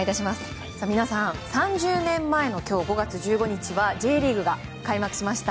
皆さん、３０年前の今日５月１５日はＪリーグが開幕しました。